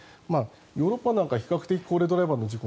ヨーロッパなんか比較的、高齢ドライバーの事故